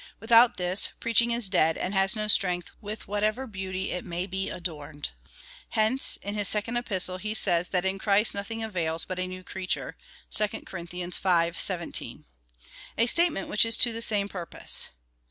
Without this, preaching is dead, and has no strength, with whatever beauty it may be adorned. Hence in his second epistle, he says, that in Christ nothing avails but a new creature (2 Cor. v. 17) — a statement which is to the same purpose.